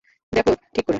দেখো ঠিক করে!